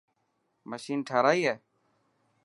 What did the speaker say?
مشين ٺارائي هي.